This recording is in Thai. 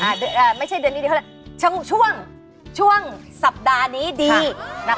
โอ้โหไม่ใช่เดือนนี้ดีเขาเรียกช่วงช่วงสัปดาห์นี้ดีนะคะ